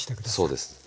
そうです。